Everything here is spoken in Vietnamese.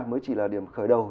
mới chỉ là điểm khởi đầu